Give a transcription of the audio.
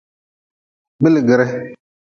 Gbligire.